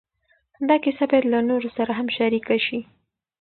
دا کیسه باید له نورو سره هم شریکه شي.